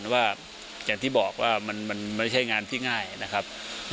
ว่าอย่างที่บอกว่ามันไม่ใช่งานที่ง่ายนะครับ